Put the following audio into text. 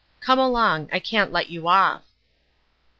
Come along ; I can't let you off."